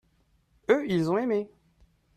eux, ils ont aimé.